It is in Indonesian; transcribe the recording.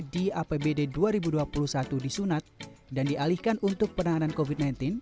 di apbd dua ribu dua puluh satu disunat dan dialihkan untuk penanganan covid sembilan belas